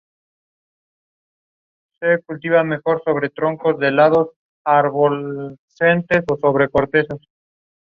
Se abrió un molino de vapor, una fábrica de aceite y una pastelería.